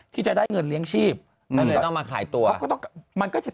พี่น้าไปยืนบ่อยไหมล่ะตรงนี้